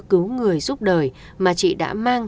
cứu người giúp đời mà chị đã mang